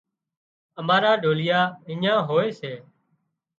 امارا ڍوليئا اڃين هوئي سي